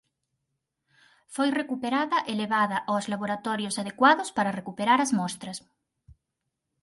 Foi recuperada e levada aos laboratorios adecuados para recuperar as mostras.